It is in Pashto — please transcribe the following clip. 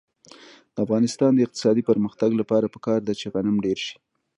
د افغانستان د اقتصادي پرمختګ لپاره پکار ده چې غنم ډېر شي.